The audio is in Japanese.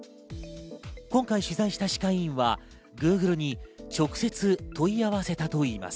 今回取材した歯科医院はＧｏｏｇｌｅに直接、問い合わせたといいます。